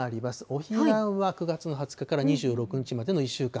お彼岸は９月の２０日から２６日までの１週間。